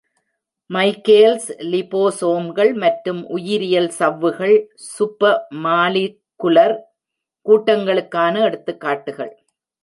Michael's, லிபோசோம்கள் மற்றும் உயிரியல் சவ்வுகள் சூப்பர்மாலிகுலர் கூட்டங்களுக்கான எடுத்துக்காட்டுகள்.